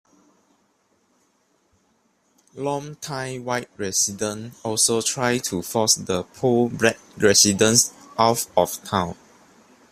Longtime white residents also tried to force the poor black residents out of town.